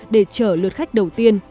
để chở lượt khách đầu tiên